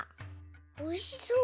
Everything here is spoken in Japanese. おいしそう。